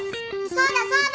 そうだそうだ！